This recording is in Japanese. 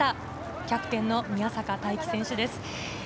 キャプテン宮坂大器選手です。